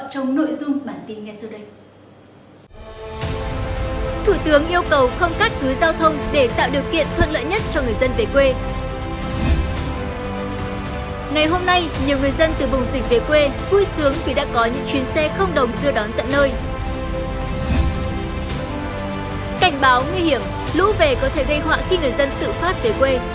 cảnh báo nguy hiểm lũ về có thể gây họa khi người dân tự phát về quê